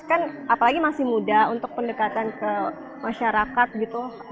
kan apalagi masih muda untuk pendekatan ke masyarakat gitu